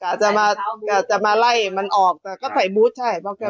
กาจะมากาจะมาไล่มันออกแต่งำใส่บุ๊คใช่นะครับ